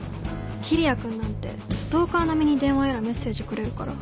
桐矢君なんてストーカー並みに電話やらメッセージくれるから。